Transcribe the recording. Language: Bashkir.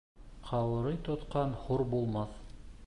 Ҡаурый тотҡан хур булмаҫ.